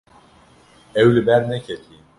Ew li ber neketiye.